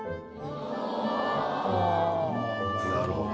なるほど。